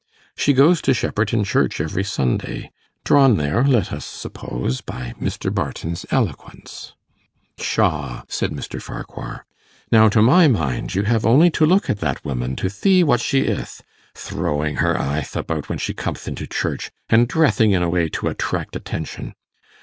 She goes to Shepperton Church every Sunday drawn there, let us suppose, by Mr. Barton's eloquence.' 'Pshaw,' said Mr. Farquhar: 'Now, to my mind, you have only to look at that woman to thee what she ith throwing her eyth about when she comth into church, and drething in a way to attract attention.